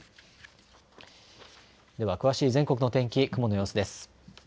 では詳しい全国の天気、雲の様子です。